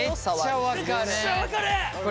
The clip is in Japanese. めっちゃ分かる！